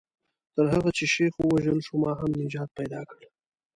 تر هغه چې شیخ ووژل شو ما هم نجات پیدا کړ.